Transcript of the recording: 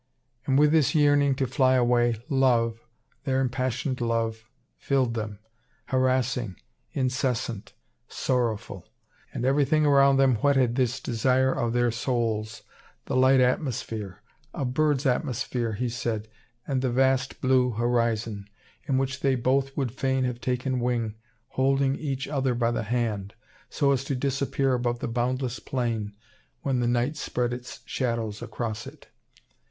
And with this yearning to fly away, love, their impassioned love, filled them, harassing, incessant, sorrowful. And everything around them whetted this desire of their souls, the light atmosphere a bird's atmosphere, he said and the vast blue horizon, in which they both would fain have taken wing, holding each other by the hand, so as to disappear above the boundless plain when the night spread its shadows across it.